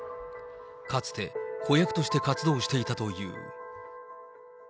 かつて子役として活動していたという。